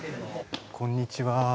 こんにちは。